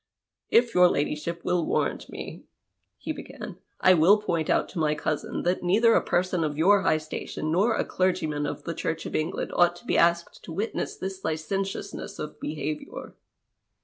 " If your ladyship will warrant me," he began, " I will point out to my cousin that neither a person of your high station nor a clergyman of the Church of England ought to be asked to witness this licentiousness of behaviour."